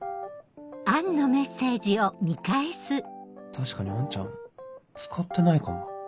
確かにアンちゃん使ってないかも